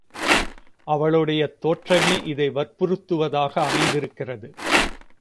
அவளுடைய தோற்றமே இதை வற்புறுத்துவதாக அமைந்திருக்கிறது.